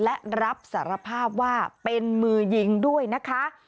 และรับสารภาพว่าเป็นมือยิงด้วยนะคะ